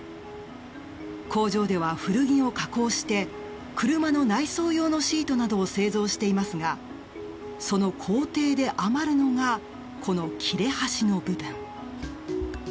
工場では古着を加工して車の内装用のシートなどを製造していますがその工程で余るのがこの切れ端の部分。